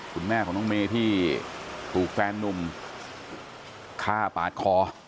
คุณแม่ของน้องเมย์ที่ถูกแฟนนุ่มฆ่าปาดคอ